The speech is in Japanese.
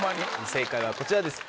正解はこちらです。